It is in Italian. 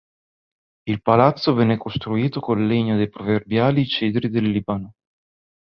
Il palazzo venne costruito col legno dei proverbiali cedri del Libano.